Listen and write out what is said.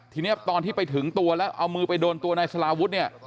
ทีนี้ตอนที่ไปถึงตัวแล้วเอามือไปโดนตัวนายสลาวุฒิเนี่ย